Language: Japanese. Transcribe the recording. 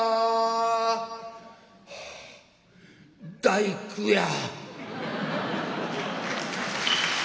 「大工や」。